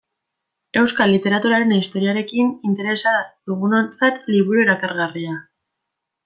Euskal literaturaren historiarekin interesa dugunontzat liburu erakargarria.